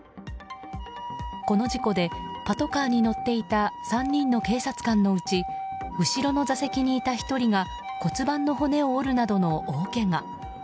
この事故でパトカーに乗っていた３人の警察官のうち後ろの座席にいた１人が骨盤の骨を折るなどの大けが。